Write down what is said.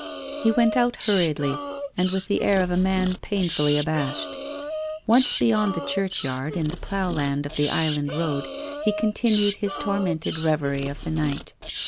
He went out hurriedly and with the air of a man painfully abashed. Once beyond the churchyard, in the plough land of the island road, he con tinued his tormented reverie of the night.